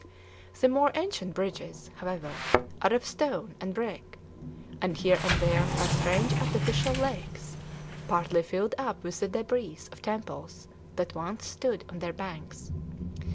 The more ancient bridges, however, are of stone and brick; and here and there are strange artificial lakes, partly filled up with the debris of temples that once stood on their banks.